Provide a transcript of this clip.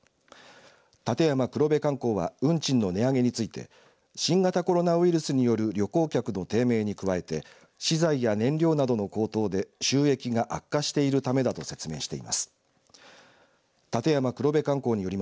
立山黒部貫光は運賃の値上げについて新型コロナウイルスによる旅行客の低迷に加え資材や燃料などの高騰で収益が悪化しているためだと説明しています。